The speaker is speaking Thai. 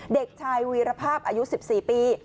เด็กชายวีรภาพอายุ๑๔ปี